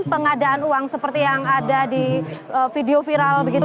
pengadaan uang seperti yang ada di video viral begitu